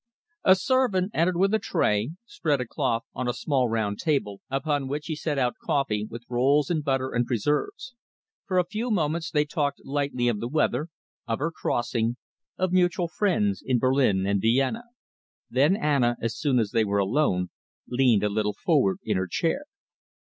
A servant entered with a tray, spread a cloth on a small round table, upon which he set out coffee, with rolls and butter and preserves. For a few moments they talked lightly of the weather, of her crossing, of mutual friends in Berlin and Vienna. Then Anna, as soon as they were alone, leaned a little forward in her chair.